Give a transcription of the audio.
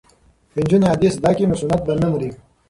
که نجونې حدیث زده کړي نو سنت به نه مري.